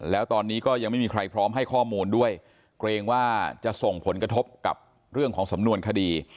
แล้วตอนนี้ก็ยังไม่มีใครพร้อมให้ข้อมูลด้วยเกรงว่าจะส่งผลกระทบกับเรื่องของสำนวนคดี